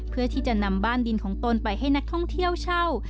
เพื่อที่จะนำบ้านดินของตนไปให้นักท่องเที่ยวเช่า